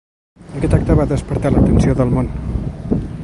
Aquest acte va despertar l'atenció del Món.